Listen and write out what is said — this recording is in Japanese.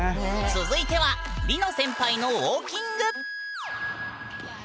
続いてはりの先輩のウォーキング。